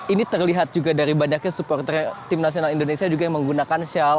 ini terlihat juga dari banyaknya supporter tim nasional indonesia juga yang menggunakan shell